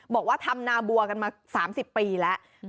บอกว่าทำนาบัวกันมา๓๐ปีแล้ว